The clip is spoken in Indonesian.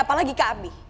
apalagi ke abi